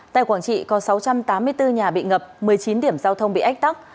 tại quảng trị có sáu trăm tám mươi bốn nhà bị ngập một mươi chín điểm giao thông bị ách tắc